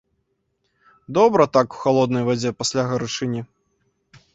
Добра так у халоднай вадзе пасля гарачыні.